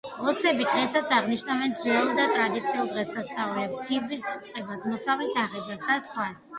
ოსები დღესაც აღნიშნავენ ძველ და ტრადიციულ დღესასწაულებს: თიბვის დაწყებას, მოსავლის აღებას და სხვა.